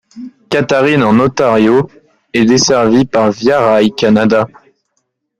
Catharines, en Ontario, est desservie par Via Rail Canada.